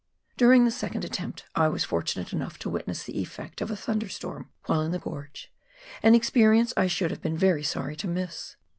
During tlie second attempt, I was fortunate enougli to witness the effect of a thunderstorm, while in the gorge, an experience I should have been sorry to miss.